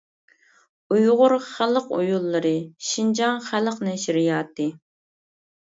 ‹ ‹ئۇيغۇر خەلق ئويۇنلىرى› › شىنجاڭ خەلق نەشرىياتى.